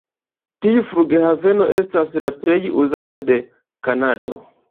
Tiu flughaveno estas la plej uzata de Kanado.